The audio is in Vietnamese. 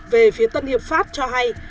về phía tân hiệp pháp cho hay